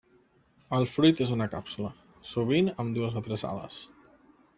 El fruit és una càpsula, sovint amb dues o tres ales.